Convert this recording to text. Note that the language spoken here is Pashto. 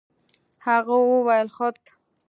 هغه وويل خود.